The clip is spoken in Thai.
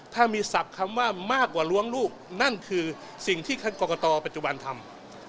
ถ้ามีศัพท์คำว่ามากกว่าล้วงลูกนั่นคือสิ่งที่ท่านกรกตปัจจุบันทำ